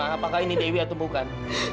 apakah ini dewi atau bukan